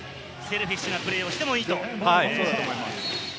セルフィッシュなプレーをしてもいいと。